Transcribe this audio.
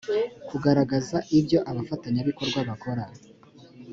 kugaragaza ibyo abafatanyabikorwa bakora